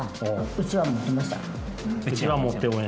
うちわ持って応援した？